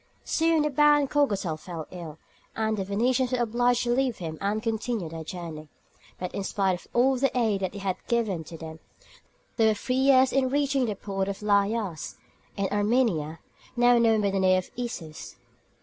Soon the baron Cogatal fell ill, and the Venetians were obliged to leave him and continue their journey; but in spite of all the aid that had been given to them, they were three years in reaching the port of Laïas, in Armenia, now known by the name of Issus.